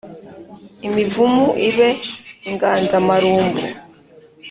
imivumu ibe inganzamarumbu